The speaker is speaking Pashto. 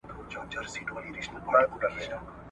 زموږ بچي په سل په زر روپۍ خرڅیږي ..